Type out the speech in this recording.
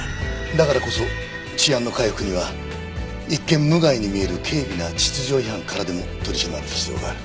だからこそ治安の回復には一見無害に見える軽微な秩序違反からでも取り締まる必要がある。